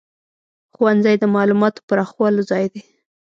ښوونځی د معلوماتو پراخولو ځای دی.